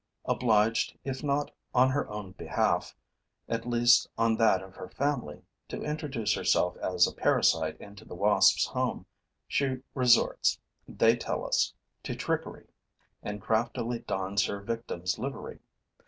Obliged, if not on her own behalf, at least on that of her family, to introduce herself as a parasite into the wasp's home, she resorts, they tell us, to trickery and craftily dons her victim's livery.